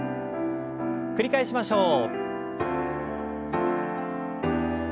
繰り返しましょう。